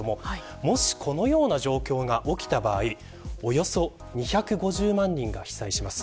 もしこのような状況が起きた場合およそ２５０万人が被災します。